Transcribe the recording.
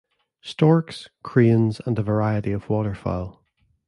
Storks, cranes and a variety of waterfowl.